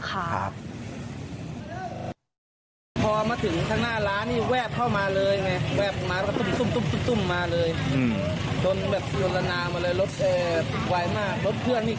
เขาพอมาถึงทั้งหน้าร้านเนี่ยแหวบเข้ามาเลยเนี่ย